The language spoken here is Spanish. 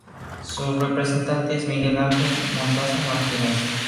Su representante es Miguel Ángel Mostaza Martínez.